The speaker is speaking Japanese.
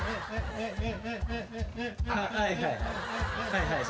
はいはい。